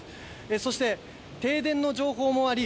そして、停電の情報もあり